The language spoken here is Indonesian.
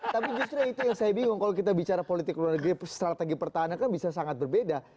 tapi justru itu yang saya bingung kalau kita bicara politik luar negeri strategi pertahanan kan bisa sangat berbeda